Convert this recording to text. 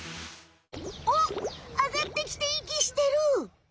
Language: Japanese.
おっあがってきていきしてる！